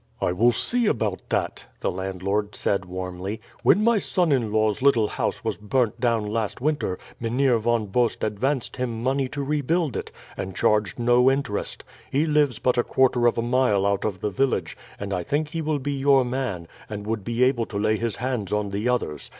"I will see about it," the landlord said warmly. "When my son in law's little house was burnt down last winter, Mynheer Von Bost advanced him money to rebuild it, and charged no interest. He lives but a quarter of a mile out of the village, and I think he will be your man, and would be able to lay his hands on the others.